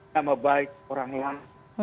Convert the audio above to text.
nama baik orang lain